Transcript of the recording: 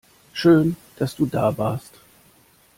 Schön, dass du da warst.